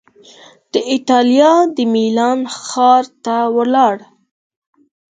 د ایټالیا د میلان ښار ته ولاړ